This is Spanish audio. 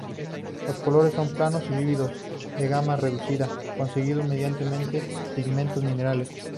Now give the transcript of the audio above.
Los colores son planos y vivos, de gama reducida, conseguidos mediante pigmentos minerales.